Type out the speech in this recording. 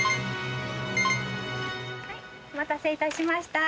お待たせいたしました。